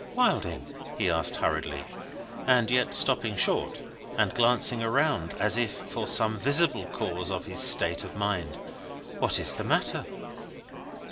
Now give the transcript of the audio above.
"Wilding," he asked hurriedly, and yet stopping short and glancing around as if for some visible cause of his state of mind: "what is the matter?"